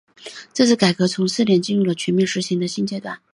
这项改革从试点进入了全面实行的新阶段。